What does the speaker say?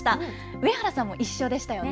上原さんも一緒でしたよね。